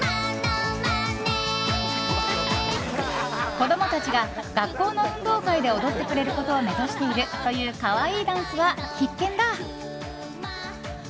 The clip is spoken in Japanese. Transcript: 子供たちが学校の運動会で踊ってくれることを目指しているという可愛いダンスは必見だ。